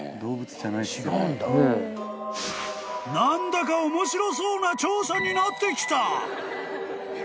［何だか面白そうな調査になってきた！］